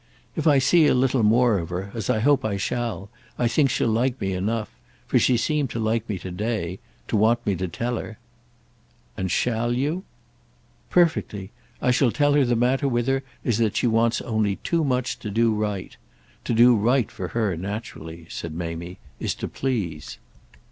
"If I see a little more of her, as I hope I shall, I think she'll like me enough—for she seemed to like me to day—to want me to tell her." "And shall you?" "Perfectly. I shall tell her the matter with her is that she wants only too much to do right. To do right for her, naturally," said Mamie, "is to please."